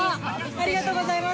ありがとうございます。